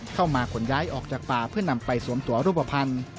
ขนย้ายออกจากป่าเพื่อนำไปสวมตัวรูปภัณฑ์